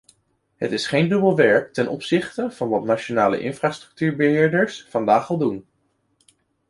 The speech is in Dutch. Het is geen dubbel werk ten opzichte van wat nationale infrastructuurbeheerders vandaag al doen.